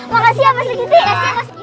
makasih ya pak serikiti